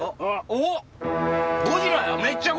おっ！